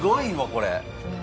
これ。